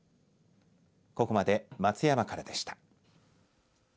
ここまで松山からでした。